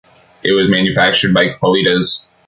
It was manufactured by Qualitas.